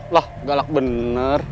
lah galak bener